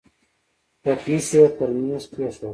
پتنوس يې پر مېز کېښود.